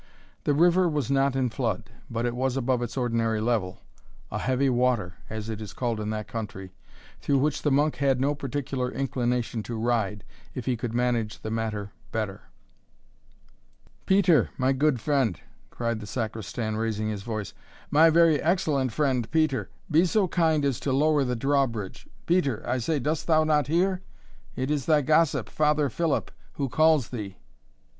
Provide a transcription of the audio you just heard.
The river was not in flood, but it was above its ordinary level a heavy water, as it is called in that country, through which the monk had no particular inclination to ride, if he could manage the matter better. "Peter, my good friend," cried the Sacristan, raising his voice; "my very excellent friend, Peter, be so kind as to lower the drawbridge. Peter, I say, dost thou not hear? it is thy gossip, Father Philip, who calls thee."